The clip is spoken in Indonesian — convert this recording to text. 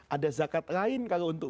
ada zakat lain kalau untuk